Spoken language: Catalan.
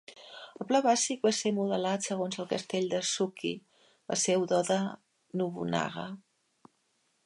El pla bàsic va ser modelat segons el castell de Azuchi, la seu d'Oda Nobunaga.